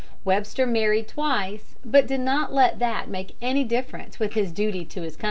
Webster married twice, but did not let that make any difference with his duty to his country.